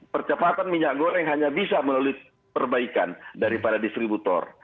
percepatan minyak goreng hanya bisa melalui perbaikan daripada distributor